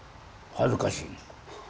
「恥ずかしい」。